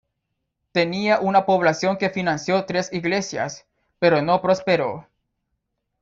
Tenía una población que financió tres iglesias, pero no prosperó.